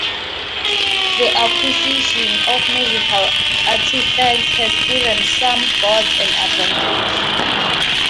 The acquisition of magical artifacts has given some gods an advantage.